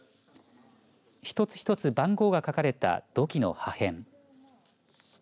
一つ一つ番号が書かれた土器の破片